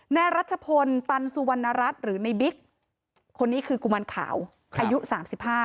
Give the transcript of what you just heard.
นายรัชพลตันสุวรรณรัฐหรือในบิ๊กคนนี้คือกุมารขาวอายุสามสิบห้า